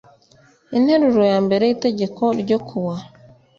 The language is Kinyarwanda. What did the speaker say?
interuro ya mbere y itegeko ryo kuwa